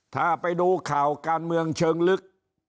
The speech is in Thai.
ถ้าไปดูข่าวการเมืองเชิงลึก